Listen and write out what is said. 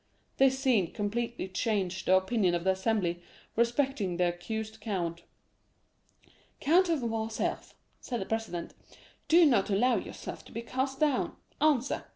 This scene completely changed the opinion of the assembly respecting the accused count. "'Count of Morcerf,' said the president, 'do not allow yourself to be cast down; answer.